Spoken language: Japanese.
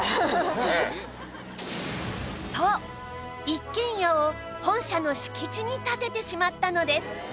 そう一軒家を本社の敷地に建ててしまったのです